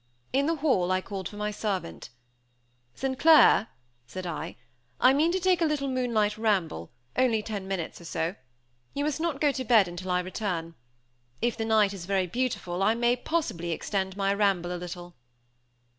In the hall I called for my servant. "St. Clair," said I; "I mean to take a little moonlight ramble, only ten minutes or so. You must not go to bed until I return. If the night is very beautiful, I may possibly extend my ramble a little."